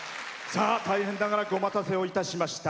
大変長らくお待たせをいたしました。